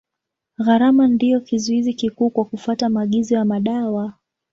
Gharama ndio kizuizi kikuu kwa kufuata maagizo ya madawa.